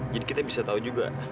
jadi kita bisa tahu juga